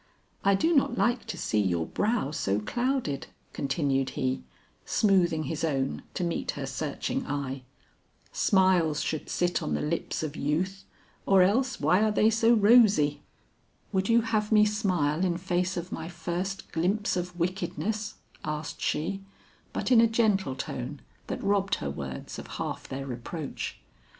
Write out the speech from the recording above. "I do not like to see your brow so clouded," continued he, smoothing his own to meet her searching eye. "Smiles should sit on the lips of youth, or else why are they so rosy." "Would you have me smile in face of my first glimpse of wickedness," asked she, but in a gentle tone that robbed her words of half their reproach.